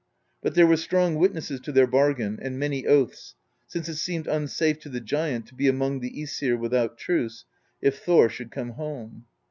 But there were strong witnesses to their bargain, and many oaths, since it seemed unsafe to the giant to be among the ^sir without truce, if Thor should come home.